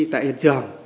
tại hiện trường